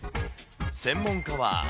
専門家は。